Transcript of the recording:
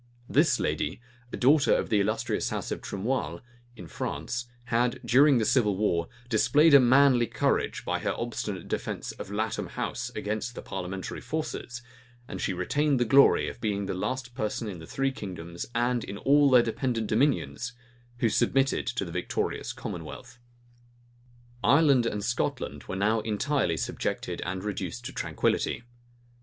This lady, a daughter of the illustrious house of Trimoille, in France, had, during the civil war, displayed a manly courage by her obstinate defence of Latham House against the parliamentary forces; and she retained the glory of being the last person in the three kingdoms, and in all their dependent dominions, who submitted to the victorious commonwealth.[*] * See note X, at the end of the volume. Ireland and Scotland were now entirely subjected, and reduced to tranquillity.